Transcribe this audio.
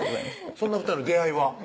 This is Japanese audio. そんな２人の出会いは？